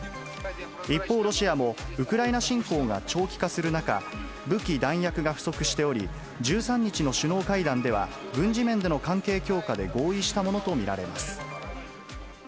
一方、ロシアもウクライナ侵攻が長期化する中、武器、弾薬が不足しており、１３日の首脳会談では、軍事面での関係強化で合意したものと見られます。